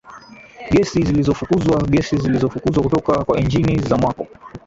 Gesi zilizofukuzwaGesi zilizofukuzwa kutoka kwa injini za mwako